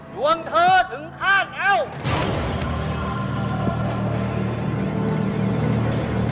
ส่วนเธอถึงข้าแข็ง